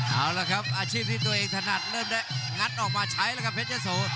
เอาละครับอาชีพที่ตัวเองถนัดเริ่มได้งัดออกมาใช้แล้วครับเพชรยะโส